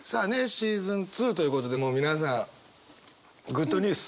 シーズン２ということでもう皆さんグッドニュース。